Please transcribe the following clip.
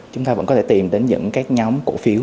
chúng ta vẫn có thể tìm đến những cái nhóm cổ phiếu